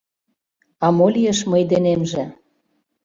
—А мо лиеш мый денемже?